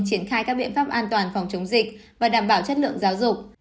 triển khai các biện pháp an toàn phòng chống dịch và đảm bảo chất lượng giáo dục